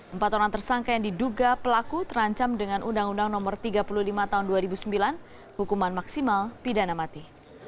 empat orang tersangka yang diduga pelaku terancam dengan undang undang no tiga puluh lima tahun dua ribu sembilan hukuman maksimal pidana mati